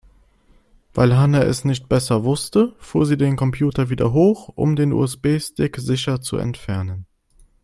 Weil Hanna es nicht besser wusste, fuhr sie den Computer wieder hoch, um den USB-Stick sicher zu entfernen.